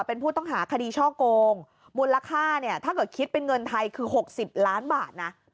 เป็นผู้ต้องหาคดีช่อโกงมูลค่าเนี่ยถ้าเกิดคิดเป็นเงินไทยคือ๖๐ล้านบาทนะ